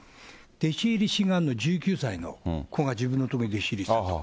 弟子入り志願の１９歳の子が、自分のところに弟子入りしたと。